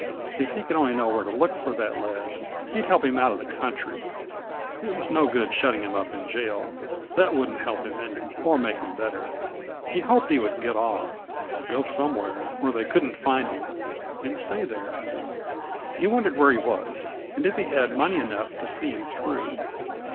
If he could only know where to look for that lad, he'd help him out of the country. It was no good shutting him up in jail; that wouldn't help him any, or make him better. He hoped he would get off go somewhere, where they couldn't find him, and stay there. He wondered where he was, and if he had money enough to see him through.